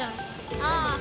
ああ。